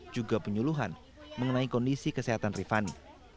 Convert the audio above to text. juga penyuluhan mengenai kondisi kesehatan rifani